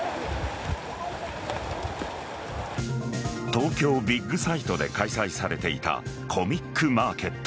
東京ビッグサイトで開催されていたコミックマーケット